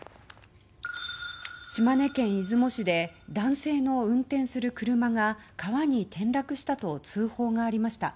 島根県出雲市で男性の運転する車が川に転落したと通報がありました。